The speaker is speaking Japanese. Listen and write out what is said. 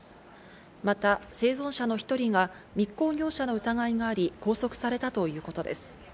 また生存者の１人が密航業者の疑いがあり、拘束されたということです。